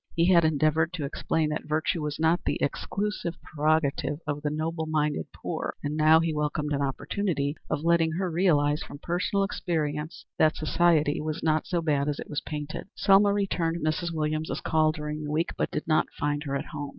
He had endeavored to explain that virtue was not the exclusive prerogative of the noble minded poor, and now he welcomed an opportunity of letting her realize from personal experience that society was not so bad as it was painted. Selma returned Mrs. Williams's call during the week, but did not find her at home.